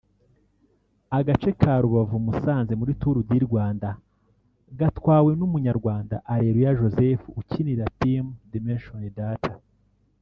Agace ka Rubavu-Musanze muri Tour du Rwanda gatwawe n'umunyarwanda Areruya Joseph ukinira Team Dimension Data